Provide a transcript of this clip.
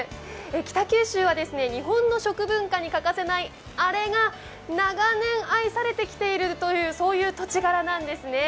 北九州は日本の食文化に欠かせないあれが長年、愛されてきているというそういう土地柄なんですね。